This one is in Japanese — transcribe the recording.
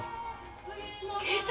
警察？